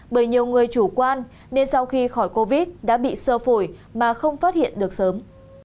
bởi nhiều người chủ quan nên sau khi khỏi covid đã bị sơ phổi mà không phát hiện được sớm